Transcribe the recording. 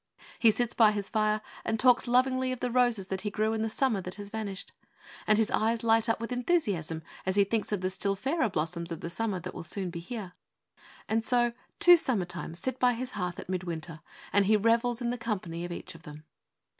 He sits by his fire and talks lovingly of the roses that he grew in the summer that has vanished, and his eyes light up with enthusiasm as he thinks of the still fairer blossoms of the summer that will soon be here. And so two summer times sit by his hearth at mid winter, and he revels in the company of each of them.